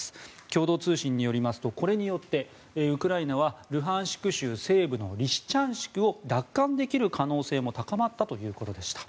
共同通信によりますとこれによってウクライナはルハンシク州西部のリシチャンシクを奪還できる可能性も高まったということでした。